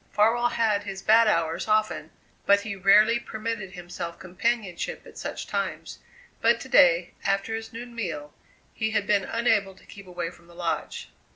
Farwell had his bad hours often, but he rarely permitted himself companionship at such times, but to day, after his noon meal, he had been unable to keep away from the Lodge.